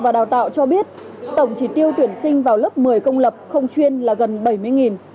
và đào tạo cho biết tổng trí tiêu tuyển sinh vào lớp một mươi công lập không chuyên là gần bảy mươi